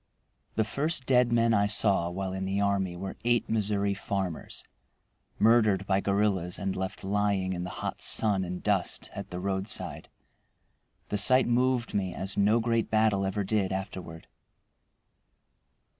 The first dead men I saw while in the army were eight Missouri farmers murdered by guerrillas and left lying in the hot sun and dust at the roadside. The sight moved me as no great battle ever did afterward.